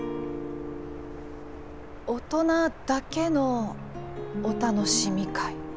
大人だけのお楽しみ会。